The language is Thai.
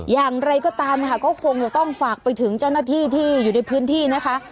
อย่างไรก็ตามค่ะก็คงจะต้องฝากไปถึงเจ้าหน้าที่ที่อยู่ในพื้นที่นะคะ